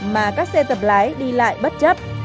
mà các xe tập lái đi lại bất chấp